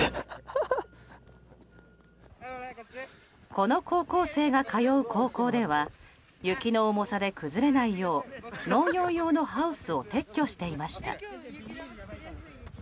この高校生が通う高校では雪の重さで崩れないよう農業用のハウスを撤去していました。